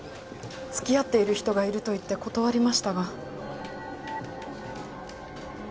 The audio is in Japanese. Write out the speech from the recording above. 付き合っている人がいると言って断りましたが。